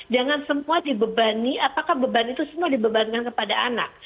jangan semua dibebani apakah beban itu semua dibebankan kepada anak